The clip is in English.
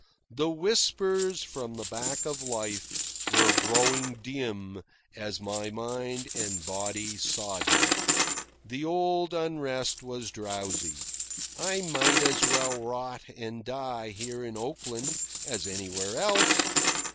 The whispers from the back of life were growing dim as my mind and body soddened. The old unrest was drowsy. I might as well rot and die here in Oakland as anywhere else.